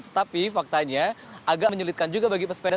tetapi faktanya agak menyulitkan juga bagi pesepeda